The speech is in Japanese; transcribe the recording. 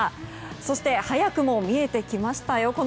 そして早くも見えてきましたよ。